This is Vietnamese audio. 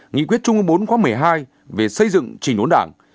nghị quyết trung ương bốn quốc một mươi hai về xây dựng chỉnh đốn đảng